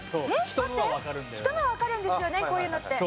人のはわかるんですよねこういうのって。